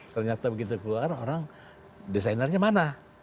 ternyata begitu keluar orang desainernya mana